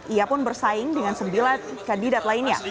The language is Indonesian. ia pun bersaing dengan sembilan kandidat lainnya